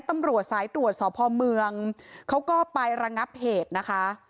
ตำรวจสายตรวจสพเมืองเขาก็ไประงับเหตุนะคะ